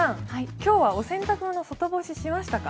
今日はお洗濯物外干ししましたか？